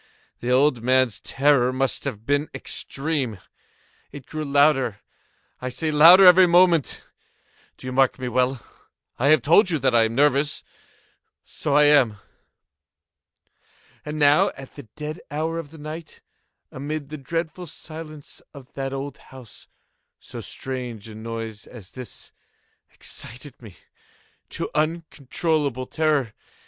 The old man's terror must have been extreme! It grew louder, I say, louder every moment!—do you mark me well? I have told you that I am nervous: so I am. And now at the dead hour of the night, amid the dreadful silence of that old house, so strange a noise as this excited me to uncontrollable terror.